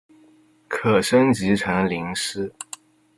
可升级成麟师。